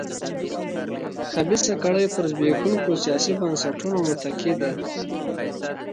خبیثه کړۍ پر زبېښونکو سیاسي بنسټونو متکي ده.